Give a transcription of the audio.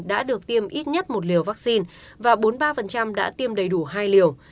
đã được tiêm ít nhất một liều vaccine và bốn mươi ba đã tiêm đầy đủ hai liều